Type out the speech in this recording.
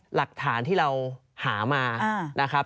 หลักฐานที่เราหามานะครับ